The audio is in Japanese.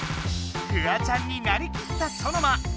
フワちゃんになりきったソノマ。